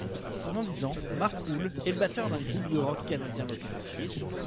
Pendant dix ans, Marc Houle est le batteur d'un groupe de rock canadien local.